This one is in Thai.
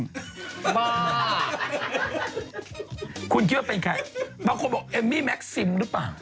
ข้อมูลคุณคิดว่าเป็นใครใครบอกเอมมี่แมคซิมหรือเปล่า